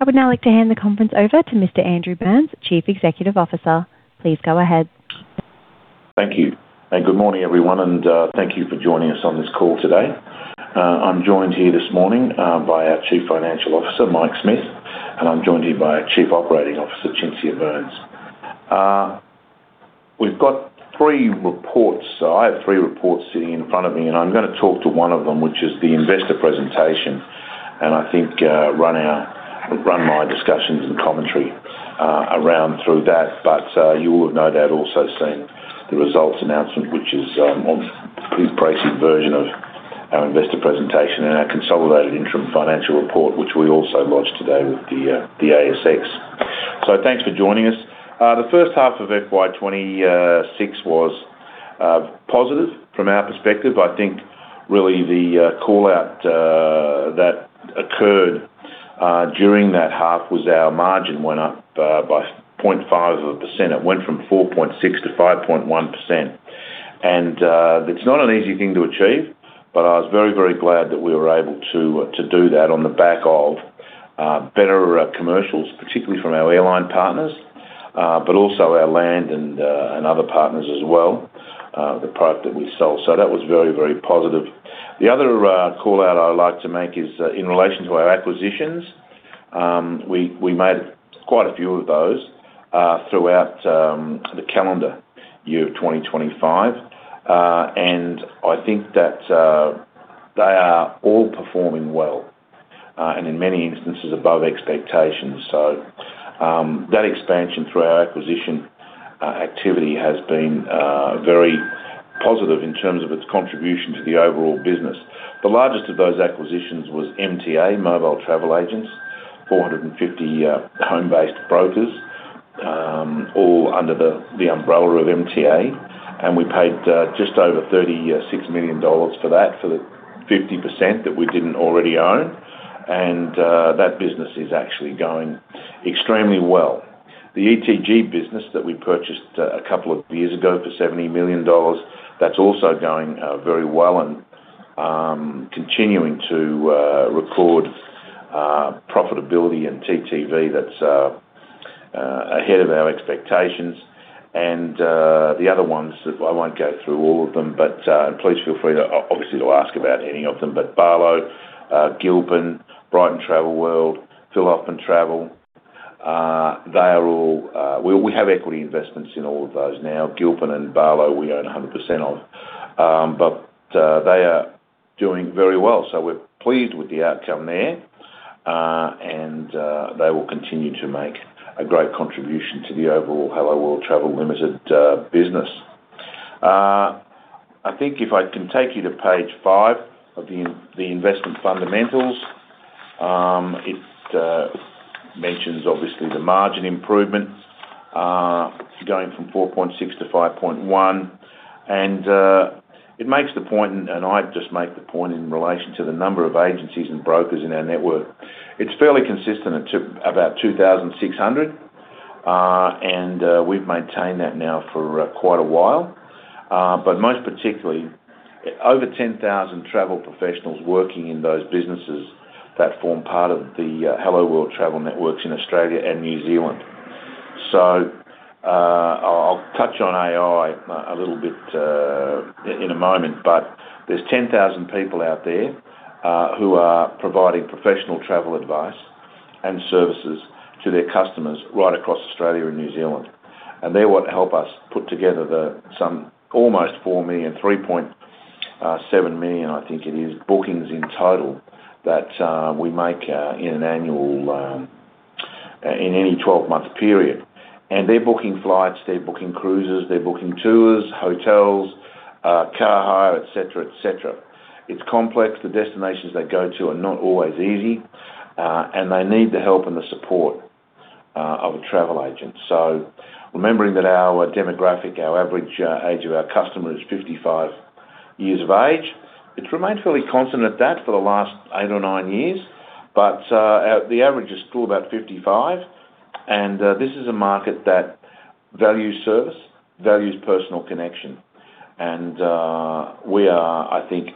I would now like to hand the conference over to Mr. Andrew Burnes, Chief Executive Officer. Please go ahead. Thank you, good morning, everyone, thank you for joining us on this call today. I'm joined here this morning by our Chief Financial Officer, Mike Smith, and I'm joined here by our Chief Operating Officer, Cinzia Burnes. We've got three reports. I have three reports sitting in front of me, and I'm gonna talk to one of them, which is the investor presentation. I think, run my discussions and commentary around through that. You will have no doubt also seen the results announcement, which is on the pricey version of our investor presentation and our consolidated interim financial report, which we also launched today with the ASX. Thanks for joining us. The first half of FY 2026 was positive from our perspective. I think really the call-out that occurred during that half was our margin went up by 0.5%. It went from 4.6% to 5.1%. It's not an easy thing to achieve, but I was very, very glad that we were able to do that on the back of better commercials, particularly from our airline partners, but also our land and other partners as well, the product that we sell. That was very, very positive. The other call-out I would like to make is in relation to our acquisitions. We made quite a few of those throughout the calendar year of 2025. I think that they are all performing well and in many instances, above expectations. That expansion through our acquisition activity has been very positive in terms of its contribution to the overall business. The largest of those acquisitions was MTA, Mobile Travel Agents, 450 home-based brokers, all under the umbrella of MTA, and we paid just over $36 million for that, for the 50% that we didn't already own. That business is actually going extremely well. The ETG business that we purchased a couple of years ago for $70 million, that's also going very well and continuing to record profitability and TTV that's ahead of our expectations. The other ones that I won't go through all of them, but please feel free, obviously, to ask about any of them. Barlow, Gilpin, Brighton Travelworld, Phil Hoffmann Travel, they are all, we have equity investments in all of those now. Gilpin and Barlow, we own 100% of, they are doing very well. We're pleased with the outcome there, they will continue to make a great contribution to the overall Helloworld Travel Limited business. I think if I can take you to page five of the investment fundamentals, it mentions obviously the margin improvement, going from 4.6 to 5.1. It makes the point, and I just make the point in relation to the number of agencies and brokers in our network. It's fairly consistent. It took about 2,600, we've maintained that now for quite a while. Most particularly, over 10,000 travel professionals working in those businesses that form part of the Helloworld Travel networks in Australia and New Zealand. I'll touch on AI a little bit in a moment, but there's 10,000 people out there who are providing professional travel advice and services to their customers right across Australia and New Zealand. They're what help us put together some almost 4 million, 3.7 million, I think it is, bookings in total that we make in an annual in any 12-month period. They're booking flights, they're booking cruises, they're booking tours, hotels, car hire, et cetera, et cetera. It's complex. The destinations they go to are not always easy, and they need the help and the support of a travel agent. Remembering that our demographic, our average age of our customer is 55 years of age, it's remained fairly constant at that for the last eight or nine years. The average is still about 55. This is a market that values service, values personal connection. We are, I think,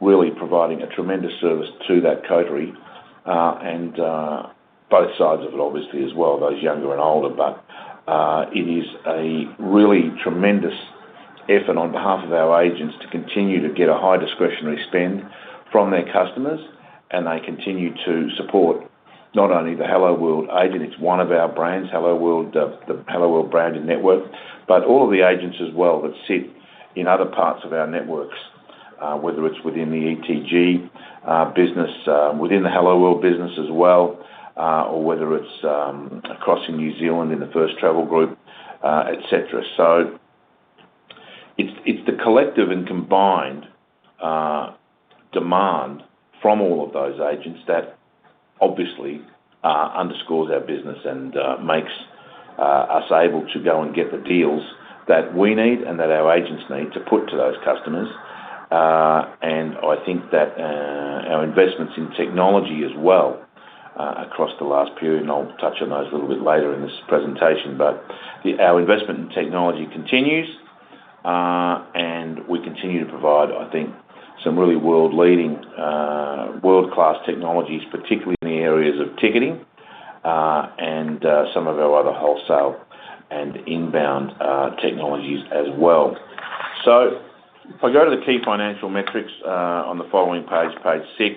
really providing a tremendous service to that coterie, and both sides of it, obviously, as well, those younger and older. It is a really tremendous effort on behalf of our agents to continue to get a high discretionary spend from their customers, and they continue to support not only the Helloworld agent, it's one of our brands, Helloworld, the Helloworld brand and network, but all of the agents as well that sit in other parts of our networks, whether it's within the ETG business, within the Helloworld business as well, or whether it's across in New Zealand, in the First Travel Group, et cetera. It's the collective and combined demand from all of those agents that obviously underscores our business and makes us able to go and get the deals that we need and that our agents need to put to those customers. I think that our investments in technology as well across the last period, and I'll touch on those a little bit later in this presentation. We continue to provide, I think, some really world-leading, world-class technologies, particularly in the areas of ticketing, and some of our other wholesale and inbound technologies as well. If I go to the key financial metrics on the following page six,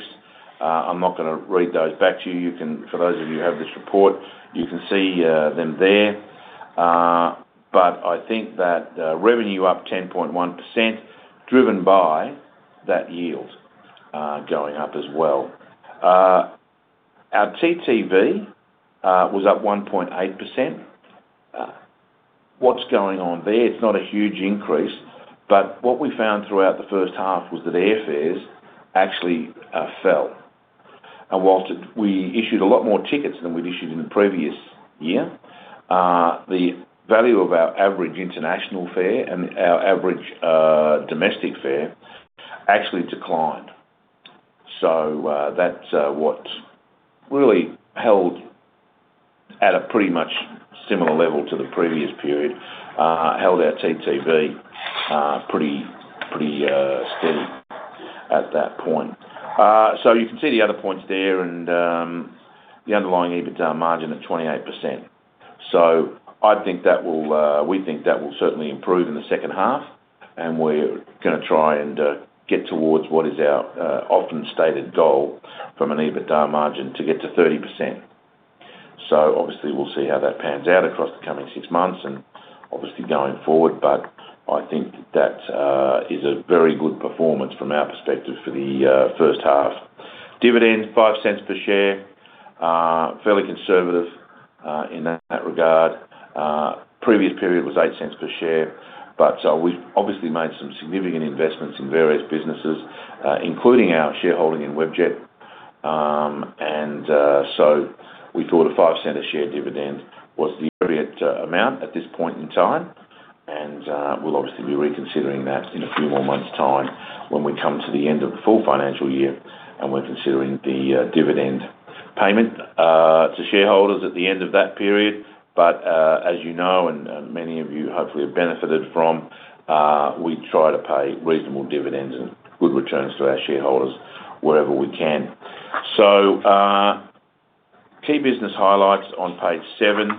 I'm not gonna read those back to you. For those of you who have this report, you can see them there. I think that revenue up 10.1%, driven by that yield going up as well. Our TTV was up 1.8%. What's going on there? It's not a huge increase, but what we found throughout the first half was that airfares actually fell. Whilst we issued a lot more tickets than we'd issued in the previous year, the value of our average international fare and our average domestic fare actually declined. That's what really held at a pretty much similar level to the previous period, held our TTV pretty steady at that point. So you can see the other points there, and the underlying EBITDA margin at 28%. I think that will we think that will certainly improve in the second half, and we're gonna try and get towards what is our often stated goal from an EBITDA margin to get to 30%. Obviously, we'll see how that pans out across the coming six months and going forward, but I think that is a very good performance from our perspective for the first half. Dividends, 0.05 per share. Fairly conservative in that regard. Previous period was 0.08 per share, but we've obviously made some significant investments in various businesses, including our shareholding in Webjet. We thought an 0.05 per share dividend was the appropriate amount at this point in time, and we'll obviously be reconsidering that in a few more months' time when we come to the end of the full financial year, and we're considering the dividend payment to shareholders at the end of that period. As you know, and many of you hopefully have benefited from, we try to pay reasonable dividends and good returns to our shareholders wherever we can. Key business highlights on page seven.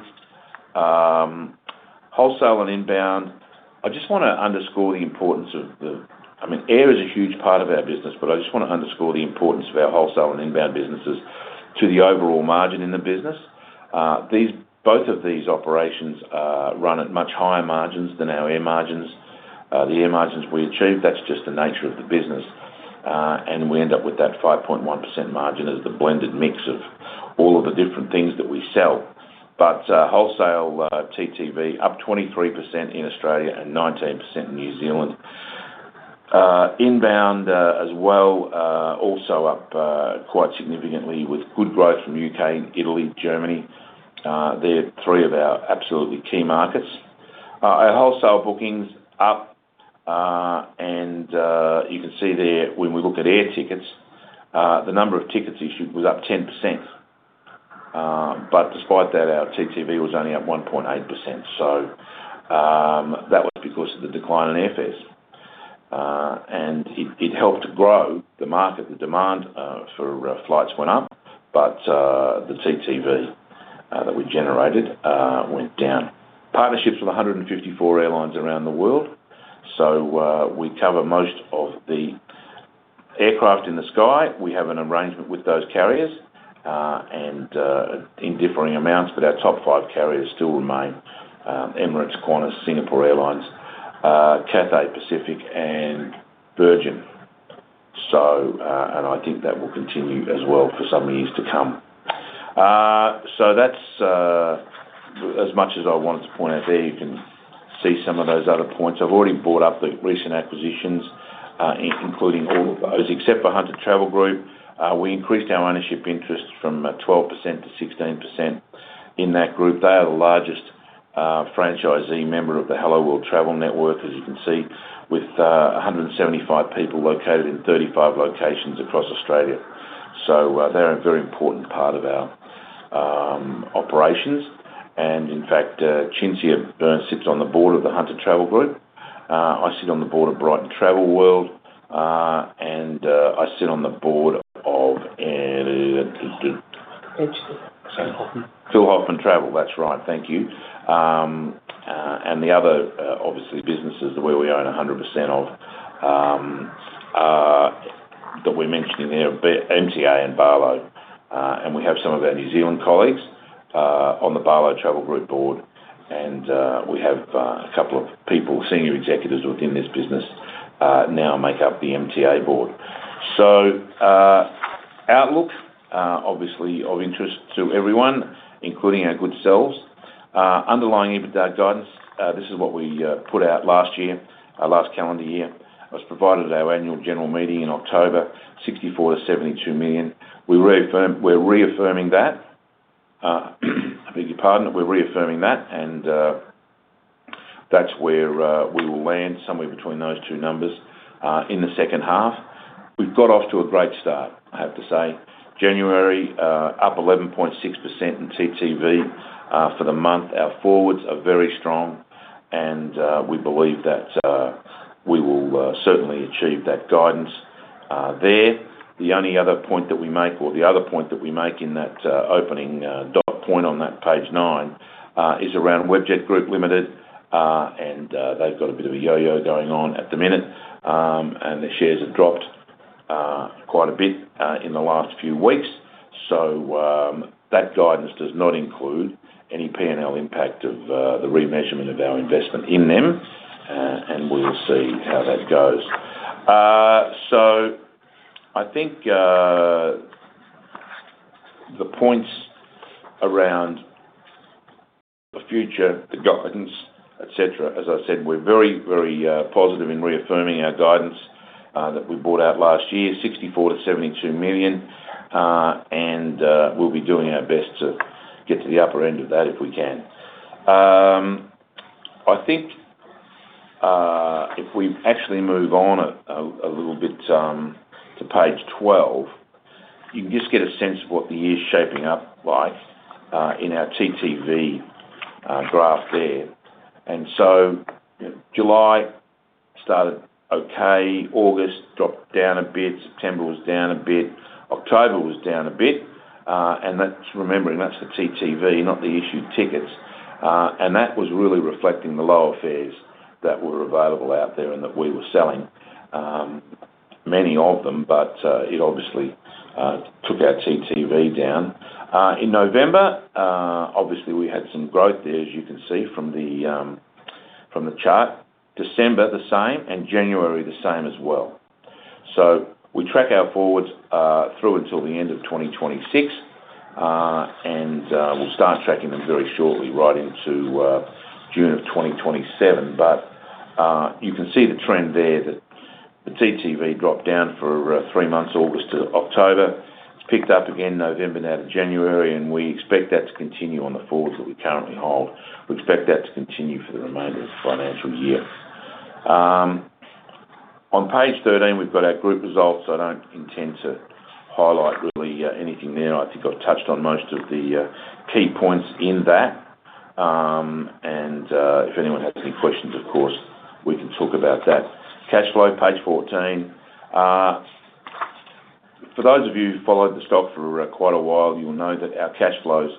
Wholesale and inbound, I just wanna underscore the importance of the-- I mean, air is a huge part of our business, but I just wanna underscore the importance of our wholesale and inbound businesses to the overall margin in the business. Both of these operations run at much higher margins than our air margins, the air margins we achieve. That's just the nature of the business, and we end up with that 5.1% margin as the blended mix of all of the different things that we sell. Wholesale TTV up 23% in Australia and 19% in New Zealand. Inbound as well, also up quite significantly with good growth from U.K., Italy, Germany. They're three of our absolutely key markets. Our wholesale bookings up, and you can see there when we look at air tickets, the number of tickets issued was up 10%. But despite that, our TTV was only up 1.8%, so that was because of the decline in airfares. And it helped to grow the market. The demand for flights went up, but the TTV that we generated went down. Partnerships with 154 airlines around the world, so we cover most of the aircraft in the sky. We have an arrangement with those carriers, in differing amounts, our top five carriers still remain Emirates, Qantas, Singapore Airlines, Cathay Pacific, and Virgin. I think that will continue as well for some years to come. That's as much as I wanted to point out there, you can see some of those other points. I've already brought up the recent acquisitions, including all of those, except for Hunter Travel Group. We increased our ownership interest from 12% to 16% in that group. They are the largest franchisee member of the Helloworld Travel network, as you can see, with 175 people located in 35 locations across Australia. They're a very important part of our operations. In fact, Cinzia Burnes sits on the board of the Hunter Travel Group. I sit on the board of Brighton Travelworld, and I sit on the board of. Phil Hoffmann. Phil Hoffmann Travel. That's right. Thank you. The other, obviously, businesses where we own 100% of that we mentioned in there, MTA and Barlow, and we have some of our New Zealand colleagues on the Barlow Travel Group board, and we have a couple of people, senior executives within this business, now make up the MTA board. Outlook, obviously of interest to everyone, including our good selves. Underlying EBITDA guidance, this is what we put out last year, last calendar year. It was provided at our annual general meeting in October, $64 million-$72 million. We're reaffirming that, beg your pardon. We're reaffirming that's where we will land, somewhere between those two numbers in the second half. We've got off to a great start, I have to say. January, up 11.6% in TTV for the month. Our forwards are very strong, and we believe that we will certainly achieve that guidance there. The only other point that we make, or the other point that we make in that opening dot point on that page nine, is around Webjet Group Limited. They've got a bit of a yo-yo going on at the minute, and the shares have dropped quite a bit in the last few weeks. That guidance does not include any P&L impact of the remeasurement of our investment in them, and we'll see how that goes. I think, the points around the future, the guidance, et cetera, as I said, we're very, very positive in reaffirming our guidance that we brought out last year, 64 million-72 million, and we'll be doing our best to get to the upper end of that, if we can. I think, if we actually move on a little bit to page 12, you can just get a sense of what the year is shaping up like in our TTV graph there. July started okay, August dropped down a bit, September was down a bit, October was down a bit, and that's remembering, that's the TTV, not the issued tickets. That was really reflecting the lower fares that were available out there and that we were selling many of them, but it obviously took our TTV down. In November, obviously, we had some growth there, as you can see from the chart. December, the same, and January, the same as well. We track our forwards through until the end of 2026, and we'll start tracking them very shortly, right into June of 2027. You can see the trend there, that the TTV dropped down for three months, August to October. It's picked up again November, now to January, and we expect that to continue on the forwards that we currently hold. We expect that to continue for the remainder of the financial year. On page 13, we've got our group results. I don't intend to highlight really anything there. I think I've touched on most of the key points in that. If anyone has any questions, of course, we can talk about that. Cash flow, page 14. For those of you who followed the stock for quite a while, you'll know that our cash flows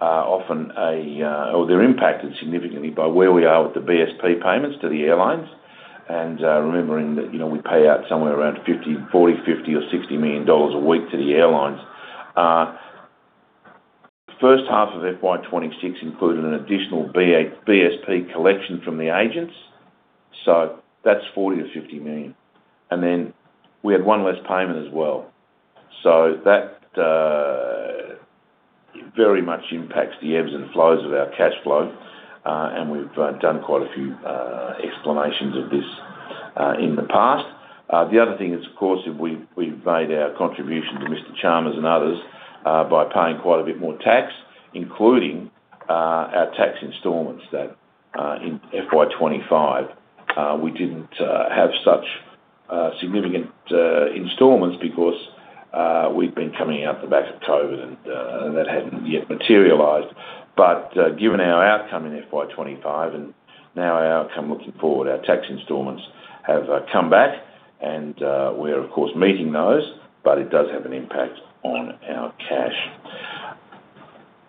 are often a or they're impacted significantly by where we are with the BSP payments to the airlines, remembering that, you know, we pay out somewhere around 50 million, 40 million, 50 million, or 60 million dollars a week to the airlines. First half of FY 2026 included an additional BSP collection from the agents, so that's 40 million-50 million. Then we had one less payment as well. That very much impacts the ebbs and flows of our cash flow, and we've done quite a few explanations of this in the past. The other thing is, of course, that we've made our contribution to Mr. Chalmers and others by paying quite a bit more tax, including our tax installments that in FY 2025, we didn't have such significant installments because we'd been coming out the back of COVID, and that hadn't yet materialized. Given our outcome in FY 2025 and now our outcome looking forward, our tax installments have come back and we're of course, meeting those, but it does have an impact on our cash.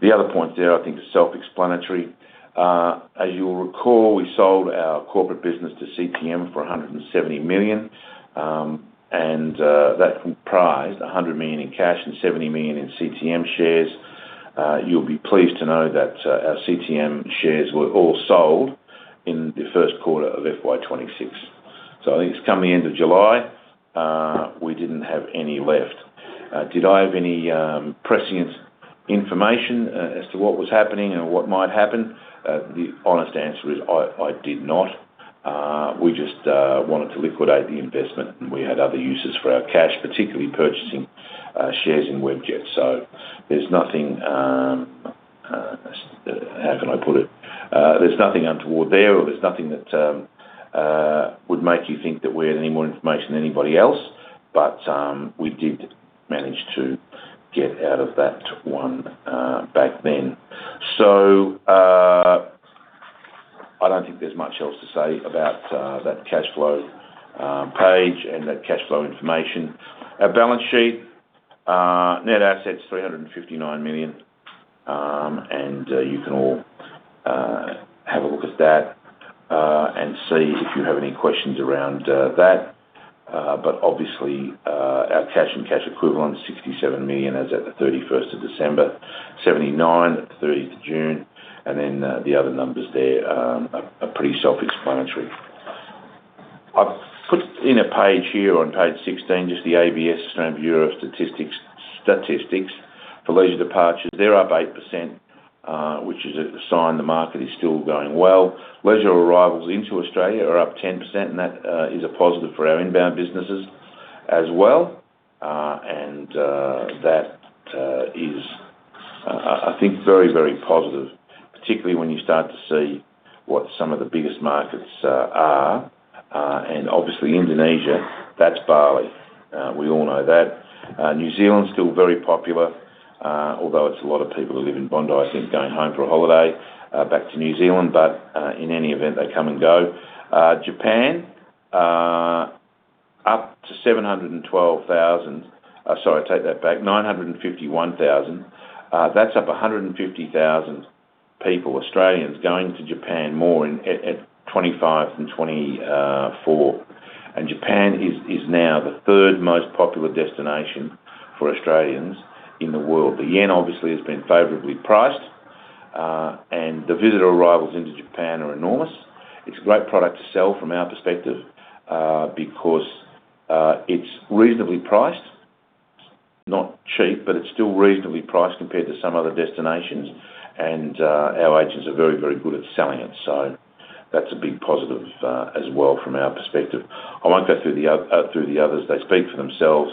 The other point there, I think, is self-explanatory. As you'll recall, we sold our corporate business to CTM for $170 million, and that comprised $100 million in cash and $70 million in CTM shares. You'll be pleased to know that our CTM shares were all sold in the first quarter of FY 2026. I think it's coming end of July, we didn't have any left. Did I have any prescient information as to what was happening and what might happen? The honest answer is I did not. We just wanted to liquidate the investment, and we had other uses for our cash, particularly purchasing shares in Webjet. There's nothing, how can I put it? There's nothing untoward there, or there's nothing that would make you think that we had any more information than anybody else, we did manage to get out of that one back then. I don't think there's much else to say about that cash flow page and that cash flow information. Our balance sheet, net assets, $359 million, and you can all have a look at that and see if you have any questions around that. Obviously, our cash and cash equivalents, $67 million, as at the 31st of December, $79 million at the 30th of June, the other numbers there are pretty self-explanatory. I've put in a page here on page 16, just the ABS, Australian Bureau of Statistics for Leisure Departures. They're up 8%, which is a sign the market is still going well. Leisure arrivals into Australia are up 10%, that is a positive for our inbound businesses as well. That I think very positive, particularly when you start to see what some of the biggest markets are. Obviously Indonesia, that's Bali. We all know that. New Zealand's still very popular, although it's a lot of people who live in Bondi, I think, going home for a holiday back to New Zealand, in any event, they come and go. Japan, up to 712,000. Sorry, take that back. 951,000. That's up 150,000 people, Australians, going to Japan more at 2025 and 2024. Japan is now the third most popular destination for Australians in the world. The yen obviously has been favorably priced, and the visitor arrivals into Japan are enormous. It's a great product to sell from our perspective because it's reasonably priced. Not cheap, but it's still reasonably priced compared to some other destinations, and our agents are very good at selling it, so that's a big positive as well from our perspective. I won't go through the others. They speak for themselves.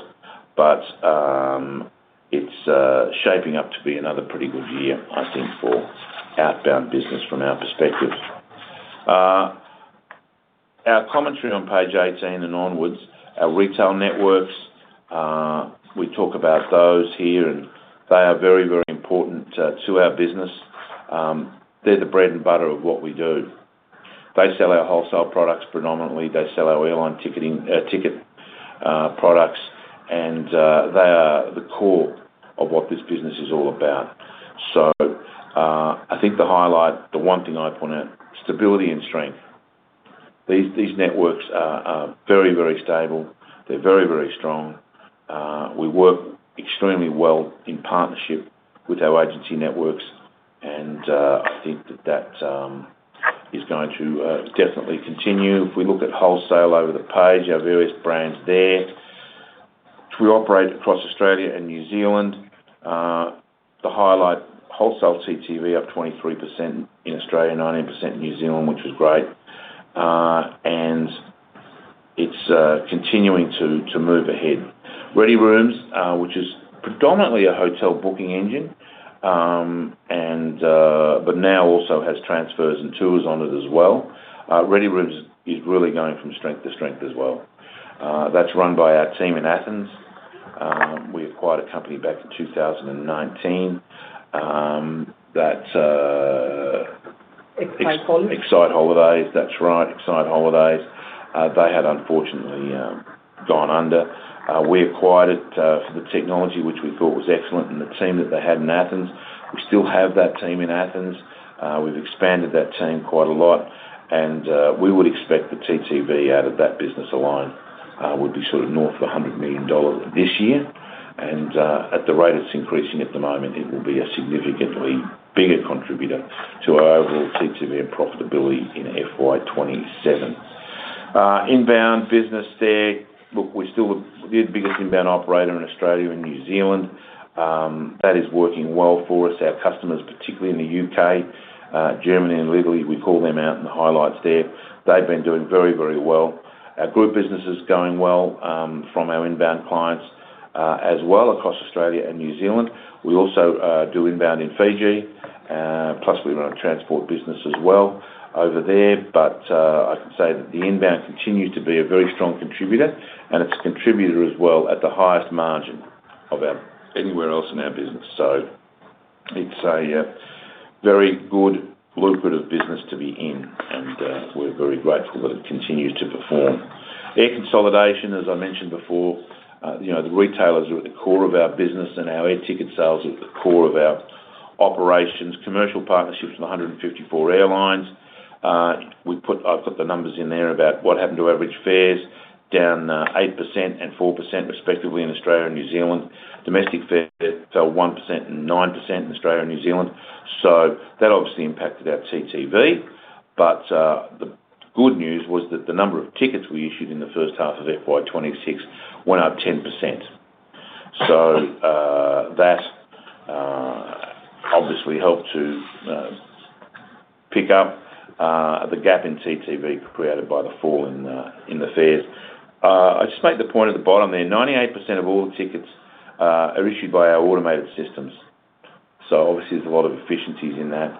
It's shaping up to be another pretty good year, I think, for outbound business from our perspective. Our commentary on page 18 and onwards, our retail networks, we talk about those here. They are very, very important to our business. They're the bread and butter of what we do. They sell our wholesale products predominantly. They sell our airline ticketing ticket products, and they are the core of what this business is all about. I think the highlight, the one thing I'd point out, stability and strength. These networks are very, very stable. They're very, very strong. We work extremely well in partnership with our agency networks. I think that that is going to definitely continue. If we look at wholesale over the page, our various brands there. We operate across Australia and New Zealand. To highlight, wholesale TTV up 23% in Australia, 19% in New Zealand, which is great. It's continuing to move ahead. ReadyRooms, which is predominantly a hotel booking engine, now also has transfers and tours on it as well. ReadyRooms is really going from strength to strength as well. That's run by our team in Athens. We acquired a company back in 2019, Excite Holidays. That's right. Excite Holidays. They had unfortunately gone under. We acquired it for the technology, which we thought was excellent, and the team that they had in Athens. We still have that team in Athens. We've expanded that team quite a lot. We would expect the TTV out of that business alone would be sort of north of 100 million dollars this year. At the rate it's increasing at the moment, it will be a significantly bigger contributor to our overall TTV and profitability in FY 2027. Inbound business there. Look, we're still the biggest inbound operator in Australia and New Zealand. That is working well for us. Our customers, particularly in the U.K., Germany and Italy, we call them out in the highlights there. They've been doing very, very well. Our group business is going well from our inbound clients as well across Australia and New Zealand. We also do inbound in Fiji, plus we run a transport business as well over there. I can say that the inbound continues to be a very strong contributor, and it's a contributor as well at the highest margin of our anywhere else in our business. It's a very good lucrative business to be in, and we're very grateful that it continues to perform. Air consolidation, as I mentioned before, you know, the retailers are at the core of our business, and our air ticket sales are at the core of our operations. Commercial partnerships with 154 airlines. I've put the numbers in there about what happened to average fares, down 8% and 4%, respectively, in Australia and New Zealand. Domestic fares fell 1% and 9% in Australia and New Zealand, so that obviously impacted our TTV. The good news was that the number of tickets we issued in the first half of FY 2026 went up 10%. That obviously helped to pick up the gap in TTV created by the fall in the fares. I just make the point at the bottom there, 98% of all tickets are issued by our automated systems, so obviously, there's a lot of efficiencies in that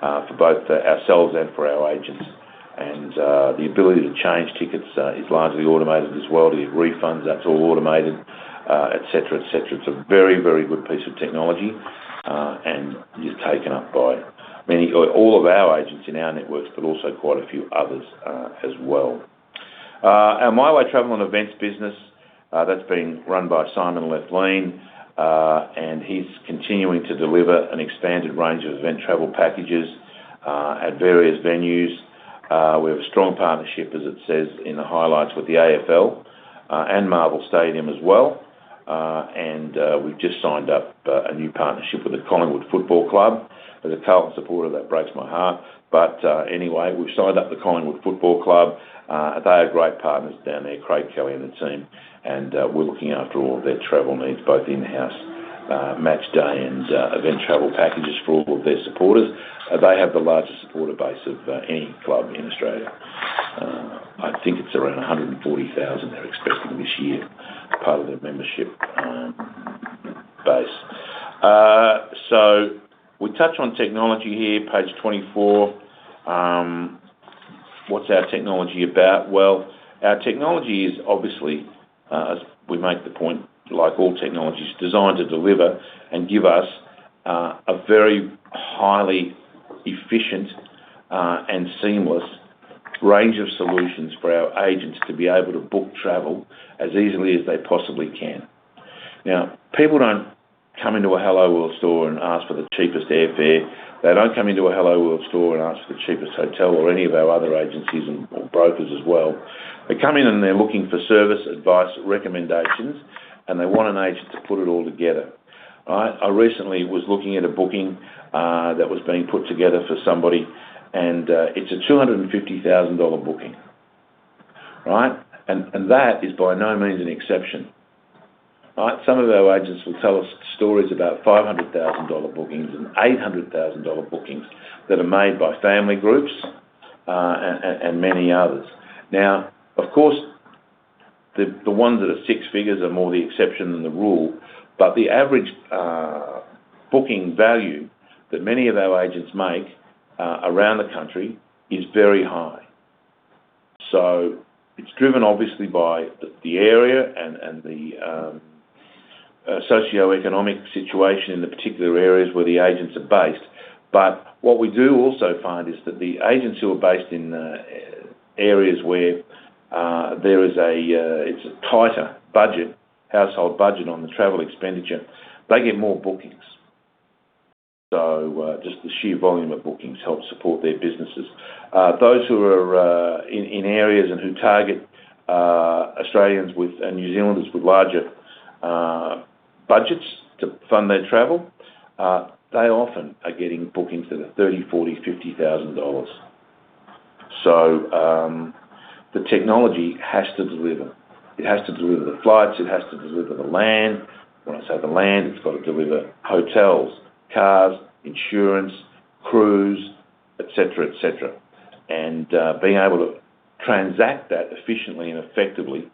for both ourselves and for our agents. The ability to change tickets is largely automated as well. To get refunds, that's all automated, et cetera, et cetera. It's a very, very good piece of technology and is taken up by all of our agents in our networks, but also quite a few others as well. Our MyWay Travel and Events business, that's being run by Simon Lethlean, he's continuing to deliver an expanded range of event travel packages at various venues. We have a strong partnership, as it says in the highlights, with the AFL and Marvel Stadium as well. We've just signed up a new partnership with the Collingwood Football Club. As a Carlton supporter, that breaks my heart, anyway, we've signed up the Collingwood Football Club. They are great partners down there, Craig Kelly and the team, we're looking after all of their travel needs, both in-house, match day, and event travel packages for all of their supporters. They have the largest supporter base of any club in Australia. I think it's around 140,000 they're expecting this year, part of their membership base. We touch on technology here, page 24. What's our technology about? Well, our technology is obviously, as we make the point, like all technology, is designed to deliver and give us a very highly efficient and seamless range of solutions for our agents to be able to book travel as easily as they possibly can. Now, people don't come into a Helloworld store and ask for the cheapest airfare. They don't come into a Helloworld store and ask for the cheapest hotel or any of our other agencies and, or brokers as well. They come in and they're looking for service, advice, recommendations, and they want an agent to put it all together. All right? I recently was looking at a booking, that was being put together for somebody, and it's an 250,000 dollar booking. Right? That is by no means an exception. All right? Some of our agents will tell us stories about 500,000 dollar bookings and 800,000 dollar bookings that are made by family groups, and many others. Of course, the ones that are six figures are more the exception than the rule, but the average, booking value that many of our agents make, around the country is very high. It's driven, obviously, by the area and the, socioeconomic situation in the particular areas where the agents are based. What we do also find is that the agents who are based in areas where there is a it's a tighter budget, household budget on the travel expenditure, they get more bookings. Just the sheer volume of bookings helps support their businesses. Those who are in areas and who target Australians and New Zealanders with larger budgets to fund their travel, they often are getting bookings to the 30 thousand dollars, 40 thousand dollars, AUD 50 thousand. The technology has to deliver. It has to deliver the flights, it has to deliver the land. When I say the land, it's got to deliver hotels, cars, insurance, cruise, et cetera, et cetera. Being able to transact that efficiently and effectively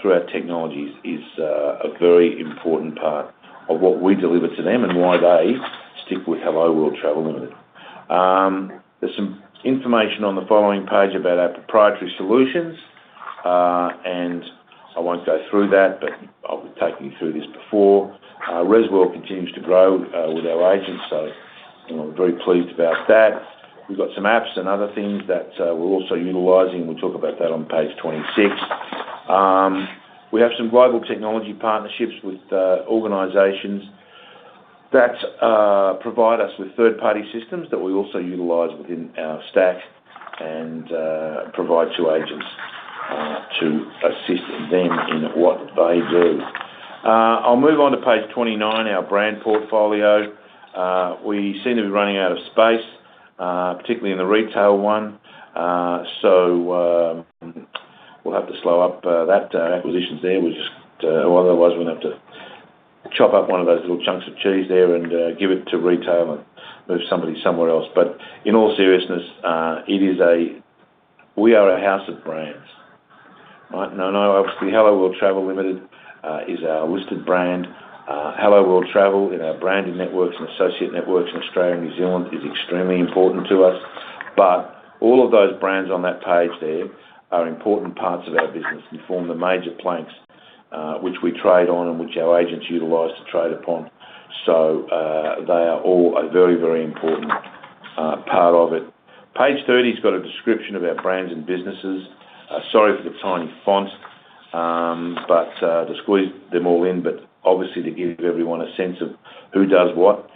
through our technologies is a very important part of what we deliver to them and why they stick with Helloworld Travel Limited. There's some information on the following page about our proprietary solutions, and I won't go through that, but I've taken you through this before. ResWorld continues to grow with our agents, so, you know, we're very pleased about that. We've got some apps and other things that we're also utilizing. We'll talk about that on page 26. We have some global technology partnerships with organizations that provide us with third-party systems that we also utilize within our stack and provide to agents to assist them in what they do. I'll move on to page 29, our brand portfolio. We seem to be running out of space, particularly in the retail one. We'll have to slow up that acquisitions there. We just. Otherwise, we're gonna have to chop up one of those little chunks of cheese there and give it to retail and move somebody somewhere else. In all seriousness, we are a house of brands, right? I know, obviously, Helloworld Travel Limited is our listed brand. Helloworld Travel in our branding networks and associate networks in Australia and New Zealand is extremely important to us, but all of those brands on that page there are important parts of our business and form the major planks which we trade on and which our agents utilize to trade upon. They are all a very, very important part of it. Page 30's got a description of our brands and businesses. Sorry for the tiny font, to squeeze them all in, obviously, to give everyone a sense of who does what,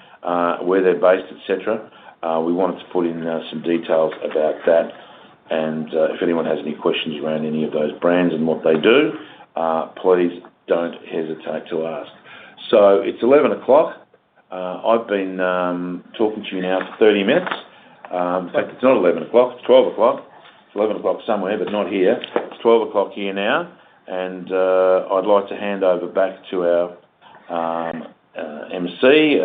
where they're based, et cetera, we wanted to put in some details about that. If anyone has any questions around any of those brands and what they do, please don't hesitate to ask. It's 11 o'clock. I've been talking to you now for 30 minutes. In fact, it's not 11 o'clock, it's 12 o'clock. It's 11 o'clock somewhere, but not here. It's 12 o'clock here now, I'd like to hand over back to our MC,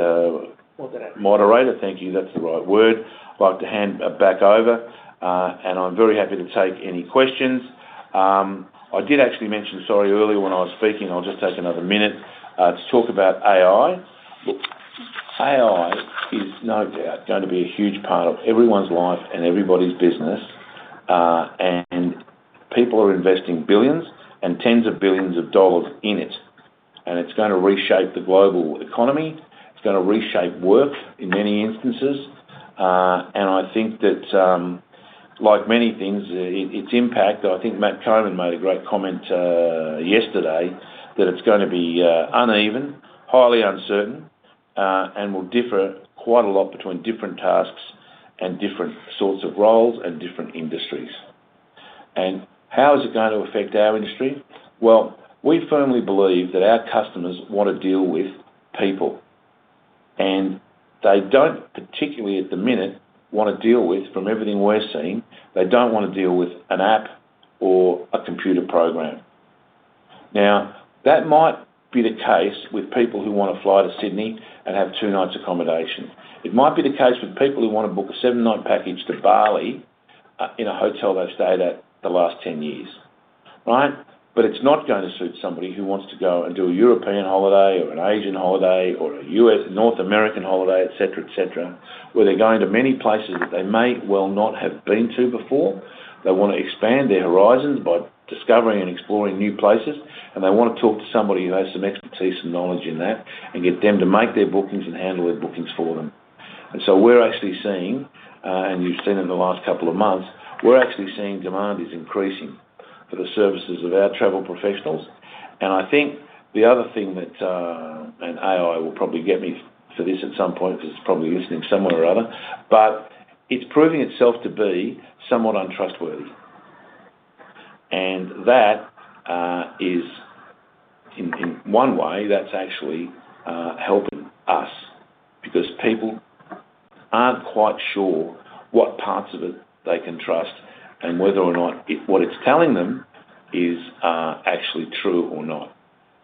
Moderator. moderator. Thank you. That's the right word. I'd like to hand back over, I'm very happy to take any questions. I did actually mention, sorry, earlier when I was speaking, I'll just take another minute to talk about AI. AI is no doubt going to be a huge part of everyone's life and everybody's business. People are investing billions and AUD tens of billions of dollars in it, and it's gonna reshape the global economy, it's gonna reshape work in many instances. I think that, like many things, its impact, I think Matt Cohen made a great comment yesterday, that it's gonna be uneven, highly uncertain, and will differ quite a lot between different tasks and different sorts of roles and different industries. How is it going to affect our industry? We firmly believe that our customers want to deal with people, and they don't, particularly at the minute, wanna deal with, from everything we're seeing, they don't wanna deal with a computer program. Now, that might be the case with people who want to fly to Sydney and have two nights' accommodation. It might be the case with people who want to book a seven-night package to Bali in a hotel they've stayed at the last 10 years. Right? It's not going to suit somebody who wants to go and do a European holiday or an Asian holiday or a U.S., North American holiday, et cetera, et cetera, where they're going to many places that they may well not have been to before. They want to expand their horizons by discovering and exploring new places, and they want to talk to somebody who has some expertise and knowledge in that, and get them to make their bookings and handle their bookings for them. We're actually seeing, and you've seen in the last couple of months, we're actually seeing demand is increasing for the services of our travel professionals. I think the other thing that, and AI will probably get me for this at some point, because it's probably listening somewhere or other, but it's proving itself to be somewhat untrustworthy. That is, in one way, that's actually helping us because people aren't quite sure what parts of it they can trust and whether or not what it's telling them is actually true or not.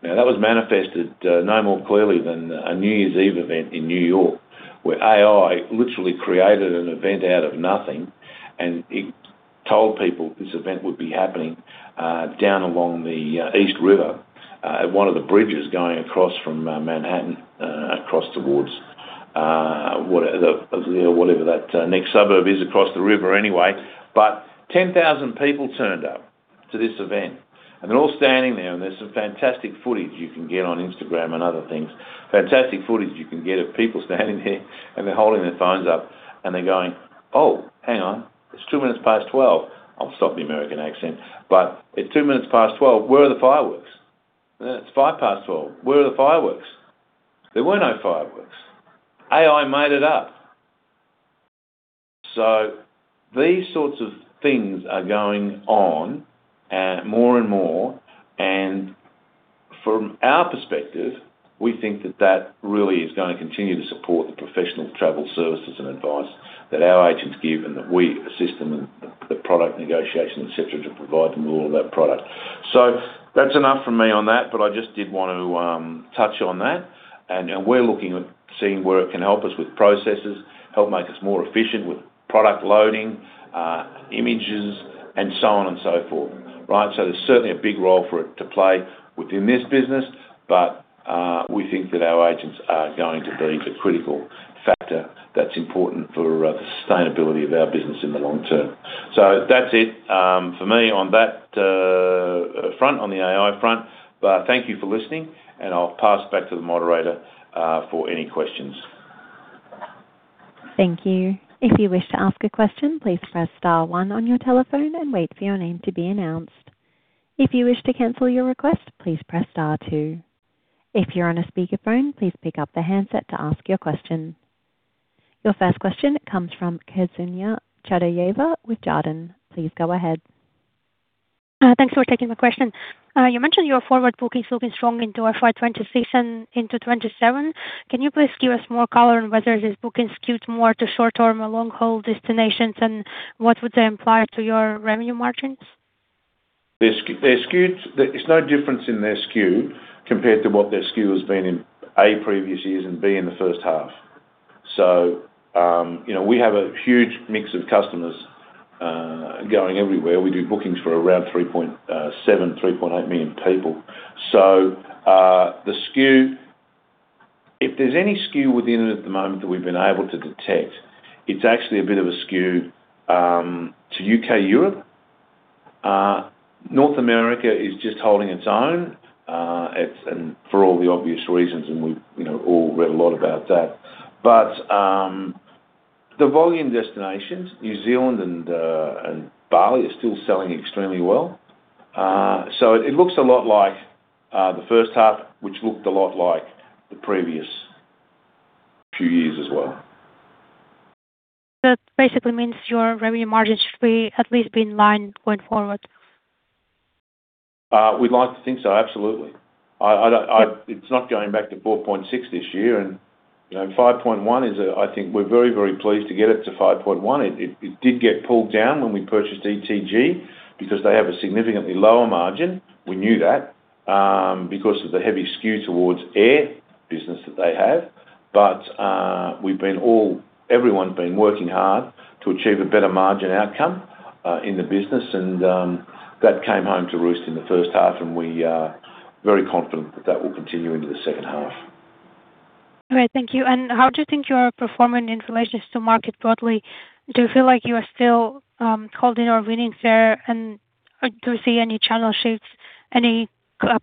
Now, that was manifested, no more clearly than a New Year's Eve event in New York, where AI literally created an event out of nothing, and it told people this event would be happening, down along the East River, at one of the bridges going across from Manhattan, across towards what, the, whatever that, next suburb is across the river anyway. 10,000 people turned up to this event, and they're all standing there, and there's some fantastic footage you can get on Instagram and other things. Fantastic footage you can get of people standing there, and they're holding their phones up, and they're going: "Oh, hang on, it's two minutes past 12." I'll stop the American accent. "It's two minutes past 12. Where are the fireworks? It's five past 12. Where are the fireworks?" There were no fireworks. AI made it up. These sorts of things are going on, more and more, and from our perspective, we think that that really is going to continue to support the professional travel services and advice that our agents give and that we assist them in the product negotiation, et cetera, to provide them with all of that product. That's enough from me on that, but I just did want to touch on that. We're looking at seeing where it can help us with processes, help make us more efficient with product loading, images, and so on and so forth. Right? There's certainly a big role for it to play within this business, but we think that our agents are going to be the critical factor that's important for the sustainability of our business in the long term. That's it for me on that front, on the AI front. Thank you for listening, and I'll pass back to the moderator for any questions. Thank you. If you wish to ask a question, please press star one on your telephone and wait for your name to be announced. If you wish to cancel your request, please press star two. If you're on a speakerphone, please pick up the handset to ask your question. Your first question comes from Kseniya Chadayeva with Jarden. Please go ahead. Thanks for taking my question. You mentioned your forward bookings looking strong into FY 2026 and into 2027. Can you please give us more color on whether this booking skewed more to short-term or long-haul destinations, and what would they imply to your revenue margins? They're skewed. There's no difference in their skew compared to what their skew has been in, A, previous years, and B, in the first half. You know, we have a huge mix of customers going everywhere. We do bookings for around 3.7, 3.8 million people. The skew. If there's any skew within it at the moment that we've been able to detect, it's actually a bit of a skew to U.K., Europe. North America is just holding its own, and for all the obvious reasons, and we've, you know, all read a lot about that. The volume destinations, New Zealand and Bali, are still selling extremely well. It looks a lot like the first half, which looked a lot like the previous few years as well. That basically means your revenue margins should be, at least be in line going forward? We'd like to think so, absolutely. It's not going back to 4.6% this year. You know, 5.1% is I think we're very, very pleased to get it to 5.1%. It did get pulled down when we purchased ETG because they have a significantly lower margin. We knew that because of the heavy skew towards air business that they have. We've been everyone's been working hard to achieve a better margin outcome in the business, and that came home to roost in the first half, and we are very confident that that will continue into the second half. Great. Thank you. How do you think you are performing in relation to market broadly? Do you feel like you are still holding or winning fair, and do you see any channel shifts, any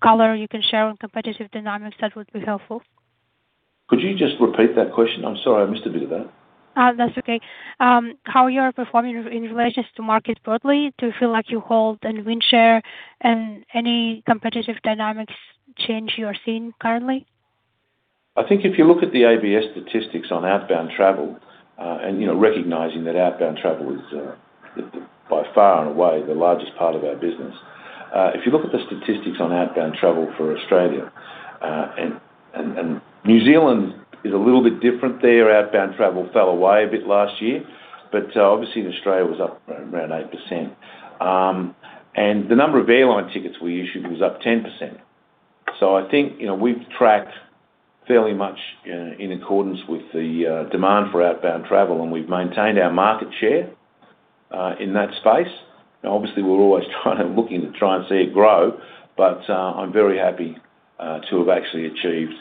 color you can share on competitive dynamics, that would be helpful? Could you just repeat that question? I'm sorry, I missed a bit of that. That's okay. How you are performing in relations to market broadly? Do you feel like you hold an win share, and any competitive dynamics change you are seeing currently? I think if you look at the ABS statistics on outbound travel, and, you know, recognizing that outbound travel is by far and away, the largest part of our business. If you look at the statistics on outbound travel for Australia. And New Zealand is a little bit different there. Outbound travel fell away a bit last year, obviously in Australia was up around 8%. The number of airline tickets we issued was up 10%. I think, you know, we've tracked fairly much in accordance with the demand for outbound travel, and we've maintained our market share in that space. We're always trying and looking to try and see it grow, but I'm very happy to have actually achieved,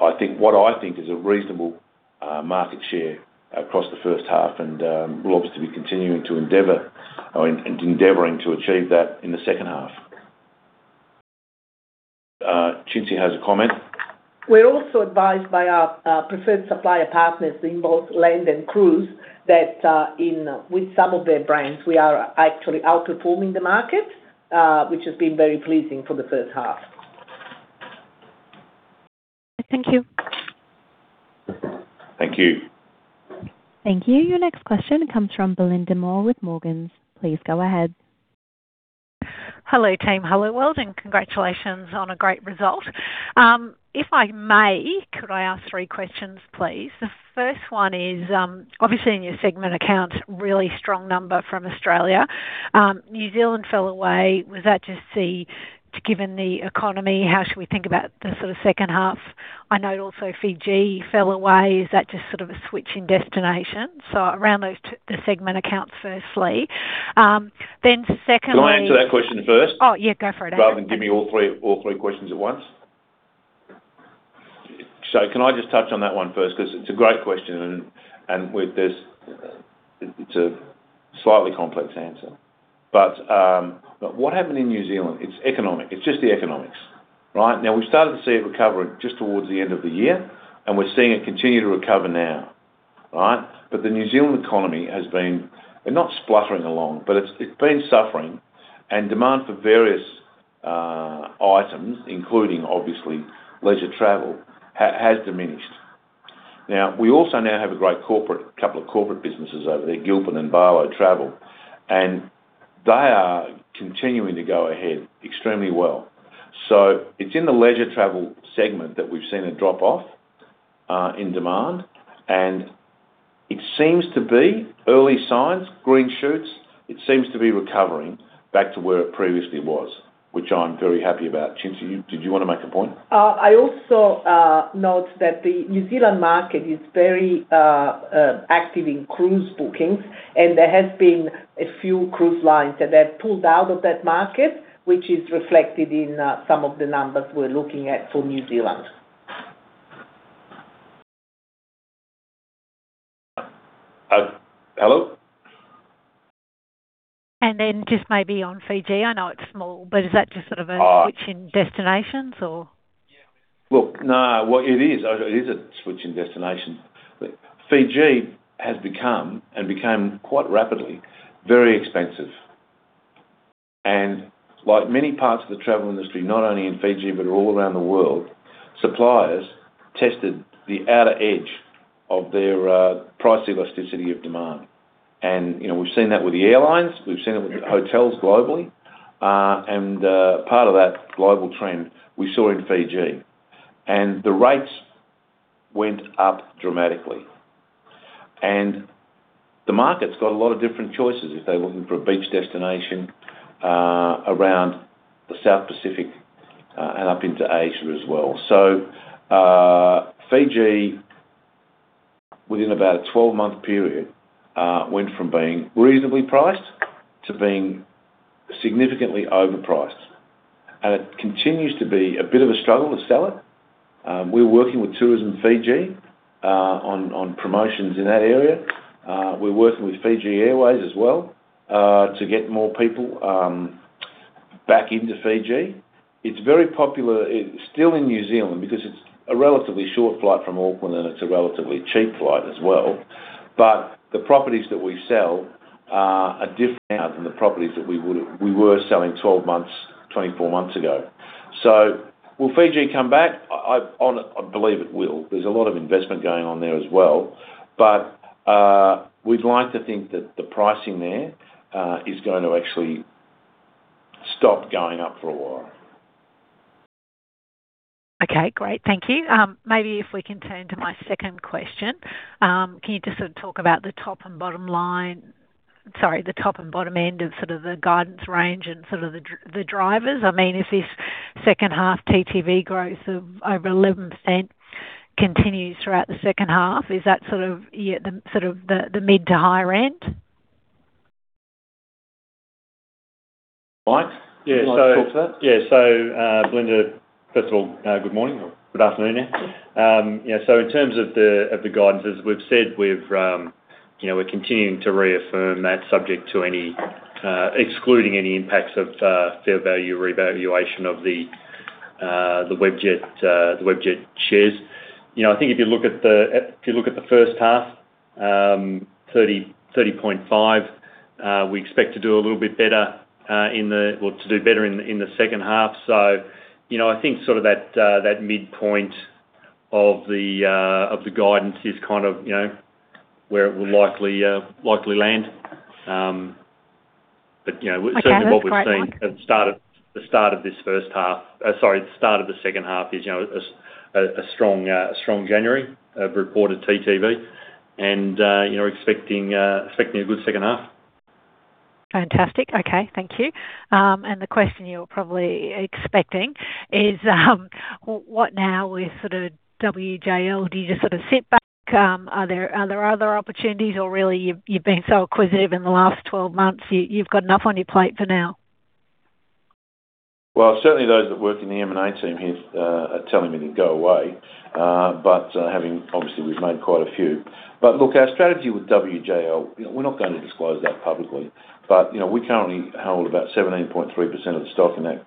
I think, what I think is a reasonable market share across the first half, and we're obviously continuing and endeavoring to achieve that in the second half. Cinzia has a comment. We're also advised by our preferred supplier partners in both land and cruise, that with some of their brands, we are actually outperforming the market, which has been very pleasing for the first half. Thank you. Thank you. Thank you. Your next question comes from Belinda Moore with Morgans. Please go ahead. Hello, team. Helloworld, congratulations on a great result. If I may, could I ask three questions, please? The first one is, obviously, in your segment accounts, really strong number from Australia. New Zealand fell away. Was that just given the economy, how should we think about the sort of second half? I know also Fiji fell away. Is that just sort of a switch in destination? Around those two, the segment accounts, firstly. Secondly- Can I answer that question first? Oh, yeah, go for it. Rather than give me all three questions at once. Can I just touch on that one first? Because it's a great question, and with this, it's a slightly complex answer. What happened in New Zealand, it's economic. It's just the economics, right? We started to see it recover just towards the end of the year, and we're seeing it continue to recover now. All right? The New Zealand economy has been, and not spluttering along, but it's been suffering, and demand for various items, including obviously, leisure travel, has diminished. We also now have a great couple of corporate businesses over there, Gilpin and Barlow Travel, and they are continuing to go ahead extremely well. It's in the leisure travel segment that we've seen a drop off in demand, and it seems to be early signs, green shoots. It seems to be recovering back to where it previously was, which I'm very happy about. Cinzia, did you want to make a point? I also note that the New Zealand market is very active in cruise bookings, and there has been a few cruise lines that have pulled out of that market, which is reflected in some of the numbers we're looking at for New Zealand. Hello? Just maybe on Fiji, I know it's small, but is that just sort of? Uh. Switch in destinations or? Look, no, well, it is. It is a switch in destinations. Fiji has become, and became quite rapidly, very expensive. Like many parts of the travel industry, not only in Fiji, but all around the world, suppliers tested the outer edge of their price elasticity of demand. You know, we've seen that with the airlines, we've seen it with the hotels globally, and part of that global trend we saw in Fiji. The rates went up dramatically. The market's got a lot of different choices if they're looking for a beach destination around the South Pacific and up into Asia as well. Fiji, within about a 12-month period, went from being reasonably priced to being significantly overpriced, and it continues to be a bit of a struggle to sell it. We're working with Tourism Fiji on promotions in that area. We're working with Fiji Airways as well to get more people back into Fiji. It's very popular, it's still in New Zealand because it's a relatively short flight from Auckland, and it's a relatively cheap flight as well. The properties that we sell are different than the properties that we were selling 12 months, 24 months ago. Will Fiji come back? I believe it will. There's a lot of investment going on there as well. We'd like to think that the pricing there is going to actually stop going up for a while. Great. Thank you. Maybe if we can turn to my second question. Can you just sort of talk about the top and bottom line, sorry, the top and bottom end of sort of the guidance range and sort of the drivers? If this second half TTV growth of over 11% continues throughout the second half, is that sort of yeah, the, sort of the mid to higher end? Mike? Yeah. Would you like to talk to that? Belinda, first of all, good morning, or good afternoon now. In terms of the guidance, as we've said, we've, you know, we're continuing to reaffirm that subject to any, excluding any impacts of fair value revaluation of the Webjet, the Webjet shares. You know, I think if you look at the first half, 30.5, we expect to do a little bit better, or to do better in the second half. You know, I think sort of that midpoint of the guidance is kind of, you know, where it will likely land. You know, according to what we've seen at the start of this first half, sorry, the start of the second half is, you know, a strong January of reported TTV and, you know, expecting a good second half. Fantastic. Okay, thank you. The question you're probably expecting is, what now with sort of WJL? Do you just sort of sit back? Are there other opportunities, or really, you've been so acquisitive in the last 12 months, you've got enough on your plate for now? Well, certainly those that work in the M&A team here are telling me to go away. Having obviously, we've made quite a few. Look, our strategy with WJL, you know, we're not going to disclose that publicly. You know, we currently hold about 17.3% of the stock in that